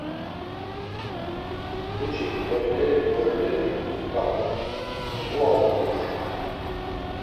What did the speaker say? Puci mğorineri mğorineri unk̆ap̆un, mu ağodu p̆ia?